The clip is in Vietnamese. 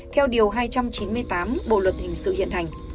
theo điều hai trăm chín mươi tám bộ luật hình sự hiện hành